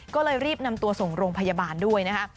ก็เลยรีบนำตัวส่งโรงพยาบาลด้วยนะคะ